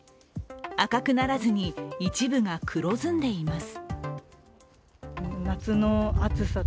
赤くならずに、一部が黒ずんでいます。